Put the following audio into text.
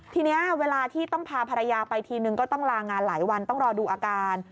ทีนี้เวลาที่ต้องพาภรรยาไปทีนึงก็ต้องลางานหลายวันต้องรอดูอาการ